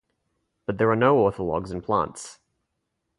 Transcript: But there are no orthologs in plants.